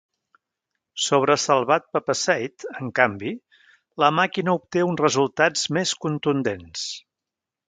Sobre Salvat-Papasseit, en canvi, la màquina obté uns resultats més contundents.